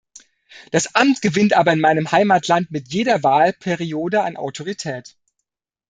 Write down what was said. Das Amt gewinnt aber in meinem Heimatland mit jeder Wahlperiode an Autorität.